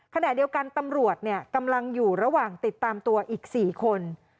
ขณะเดียวกันตำรวจกำลังอยู่ระหว่างติดตามตัวอีก๔คน